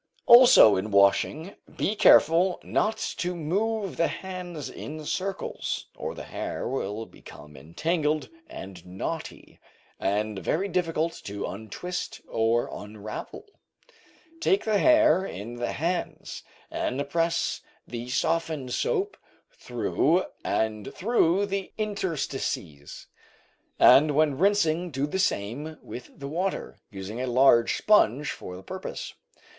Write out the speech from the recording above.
Also in washing, be careful not to move the hands in circles, or the hair will become entangled and knotty, and very difficult to untwist or unravel. Take the hair in the hands, and press the softened soap through and through the interstices, and when rinsing do the same with the water, using a large sponge for the purpose.